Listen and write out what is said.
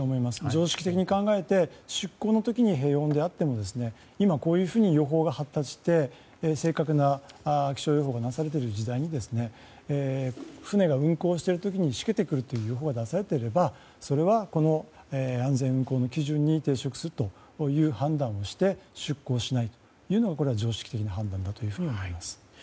常識的に考えて出航時に平穏であっても今、こういうふうに予報が発達して正確な気象予報がなされている時代に船が運航してきている時にしけてくるという予報が出されていたらそれはこの安全運航の基準に規定するという出航しないというのが常識的な判断だと思います。